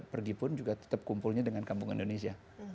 pergi pun juga tetap kumpulnya dengan kampung indonesia